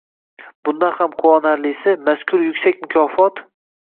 Bundan ham quvonarlisi, mazkur yuksak mukofot